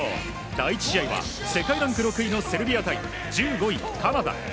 第１試合は世界ランク６位のセルビア対１５位、カナダ。